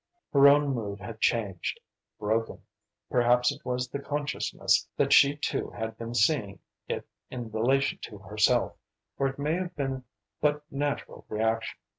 Her own mood had changed, broken. Perhaps it was the consciousness that she too had been seeing it in relation to herself, or it may have been but natural reaction.